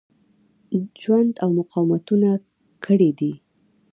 ژوند او مقاومتونه کړي دي.